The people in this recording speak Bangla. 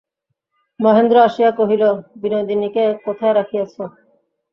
মহেন্দ্র আসিয়া কহিল, বিনোদিনীকে কোথায় রাখিয়াছ।